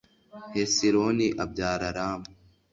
hesironi abyara ramu